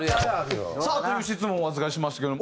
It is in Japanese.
さあという質問をお預かりしましたけども。